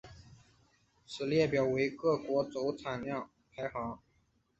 此列表为各国铀产量排行。